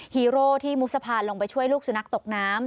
ฮีโร่ที่มุกสะพานลงไปช่วยลูกสุนัขตกน้ำ